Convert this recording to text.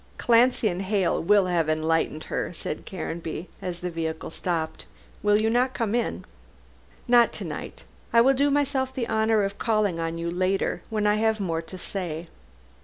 "Clancy and Hale will enlighten her," said Caranby, as the vehicle stopped, "will you not come in?" "Not to night. I will do myself the honor of calling on you later, when I have more to say.